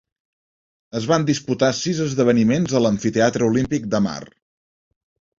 Es van disputar sis esdeveniments a l'amfiteatre olímpic d'Hamar.